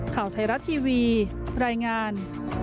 ข่าวไทยรัฐทีวีรายงาน